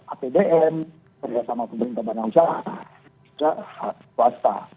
apbn kerja sama pemerintah banang usaha tidak swasta